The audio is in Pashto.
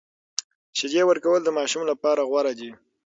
شیدې ورکول د ماشوم لپاره غوره دي۔